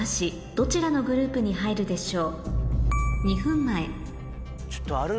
どちらのグループに入るでしょう？